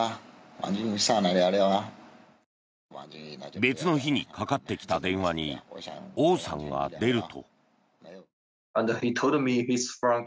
別の日にかかってきた電話にオウさんが出ると。